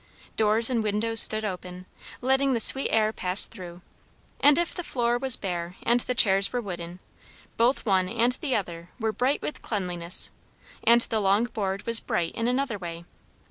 Doors and windows stood open, letting the sweet air pass through; and if the floor was bare and the chairs were wooden, both one and the other were bright with cleanliness; and the long board was bright in another way.